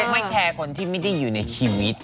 ไม่แคร์คนที่ไม่ได้อยู่ในชีวิต